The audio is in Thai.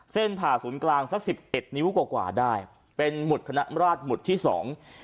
เส้นผ่าศูนย์กลางสัก๑๑นิ้วกว่าได้เป็นหมุดคณะมราชหมุดที่สอง